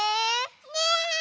ねえ。